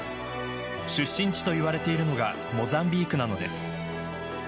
出身地と言われているのがモザンビークなのです。